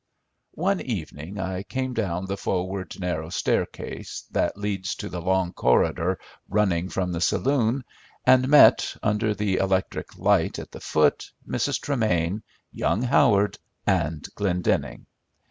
One evening I came down the forward narrow staircase, that leads to the long corridor running from the saloon, and met, under the electric light at the foot, Mrs. Tremain, young Howard, and Glendenning.